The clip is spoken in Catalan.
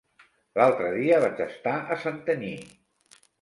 L'altre dia vaig estar a Santanyí.